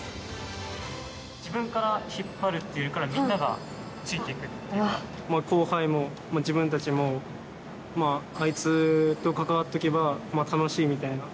自分から引っ張るっていうか、後輩も自分たちも、あいつと関わっとけば楽しいみたいな。